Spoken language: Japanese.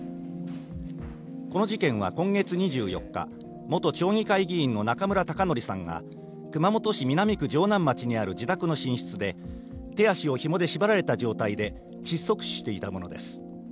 この事件は今月２４日、元町議会議員の中村尊徳さんが、熊本市南区城南町にある自宅の寝室で、手足をひもで縛られた状態で窒息死していたものです。